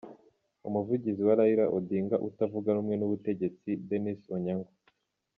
Umuvugizi wa Raila Odinga utavuga rumwe n’ubutegetsi, Dennis Onyango,.